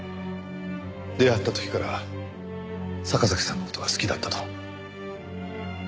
出会った時から坂崎さんの事が好きだったと。